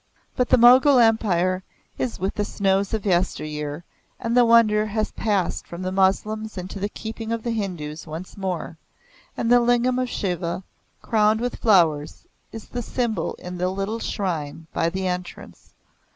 But the Mogul Empire is with the snows of yesteryear and the wonder has passed from the Moslems into the keeping of the Hindus once more, and the Lingam of Shiva, crowned with flowers, is the symbol in the little shrine by the entrance.